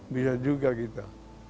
bisa juga kita